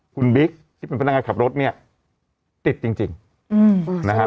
คุณบิ๊กที่เป็นพนักงานขับรถเนี่ยติดจริงนะครับ